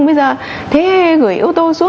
bây giờ thế gửi ô tô xuống